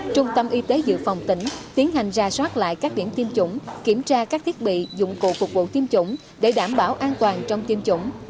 trung tâm y tế dự phòng tỉnh tiến hành ra soát lại các điểm tiêm chủng kiểm tra các thiết bị dụng cụ phục vụ tiêm chủng để đảm bảo an toàn trong tiêm chủng